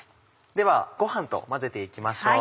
ではご飯と混ぜて行きましょう。